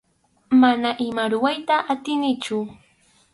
Mana ima rurayta atinichu.